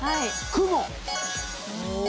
雲！